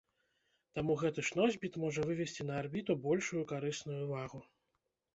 Таму гэты ж носьбіт можа вывесці на арбіту большую карысную вагу.